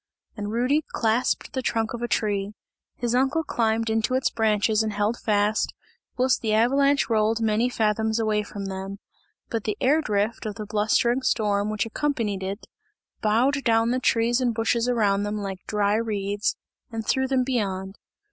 And Rudy clasped the trunk of a tree; his uncle climbed into its branches and held fast, whilst the avalanche rolled many fathoms away from them. But the air drift of the blustering storm, which accompanied it, bowed down the trees and bushes around them like dry reeds and threw them beyond.